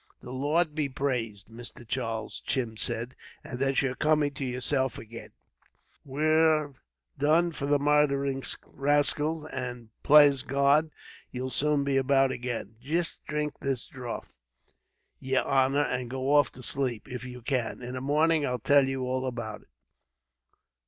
"The Lord be praised, Mr. Charles," Tim said, "that you're coming to yourself again. Don't you trouble, sir. We've done for the murdhering rascals; and, plase God, you'll soon be about again. Jist drink this draught, yer honor, and go off to sleep, if you can. In the morning I'll tell you all about it.